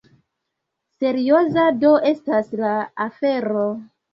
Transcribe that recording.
Serioza do estas la afero!